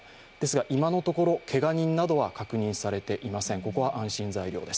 今のところ、けが人などは確認されていません、これは安心材料です。